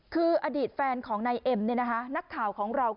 คืออดีตแฟนของนายเอ็มนักข่าวของเรา